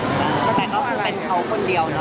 แต่ก็คือเป็นเขาคนเดียวเนอ